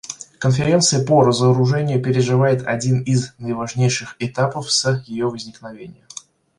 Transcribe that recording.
Конференция по разоружению переживает один из наиважнейших этапов с ее возникновения.